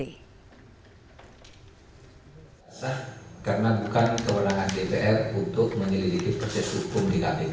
saya rasa karena bukan kewenangan dpr untuk meniliki proses hukum di kpk